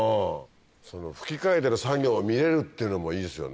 ふき替えてる作業が見えるっていうのもいいですよね。